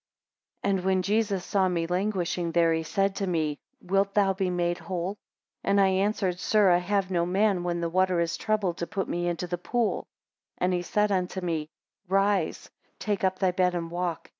15 And when Jesus saw me languishing there, he said to me, Wilt thou be made whole? And I answered, Sir, I have no man, when the water is troubled, to put me into the pool. 16 And he said unto me, Rise, take up thy bed and walk.